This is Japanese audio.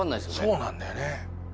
そうなんだよね。